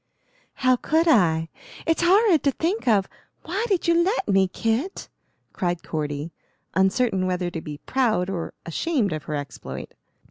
"How could I? It's horrid to think of. Why did you let me, Kit?" cried Cordy, uncertain whether to be proud or ashamed of her exploit.